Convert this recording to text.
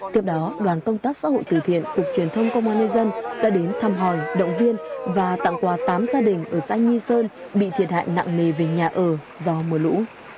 tiếp đó đoàn công tác xã hội tử thiện cục truyền thông công an nhân dân đã đến thăm hỏi động viên và tặng quà tám gia đình ở xã nhi sơn bị thiệt hại nặng nề về nhà ở do mưa lũ